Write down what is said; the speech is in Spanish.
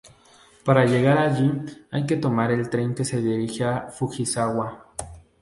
Para llegar allí hay que tomar el tren que se dirige a Fujisawa.